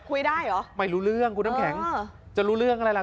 ได้เหรอไม่รู้เรื่องคุณน้ำแข็งจะรู้เรื่องอะไรล่ะ